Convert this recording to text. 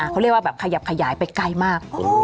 เขาเรียกว่าแบบขยับขยายไปไกลมาก